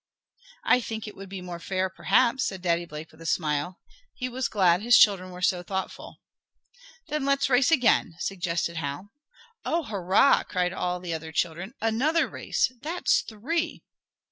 "I think it would be more fair, perhaps," said Daddy Blake with a smile. He was glad his children were so thoughtful. "Then let's race again," suggested Hal. "Oh, hurrah!" cried all the other children. "Another race! That's three!"